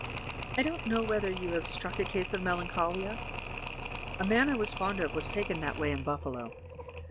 I don't know whether you have struck a case of melancholia ? A man I was fond of was taken that way in Buffalo.